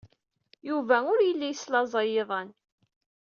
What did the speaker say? Yuba ur yelli yeslaẓay iḍan.